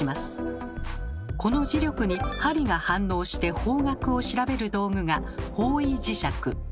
この磁力に針が反応して方角を調べる道具が方位磁石。